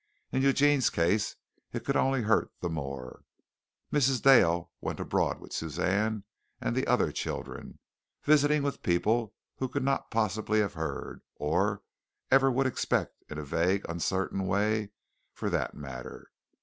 In Eugene's case it could only hurt the more. Mrs. Dale went abroad with Suzanne and the other children, visiting with people who could not possibly have heard, or ever would except in a vague, uncertain way for that matter.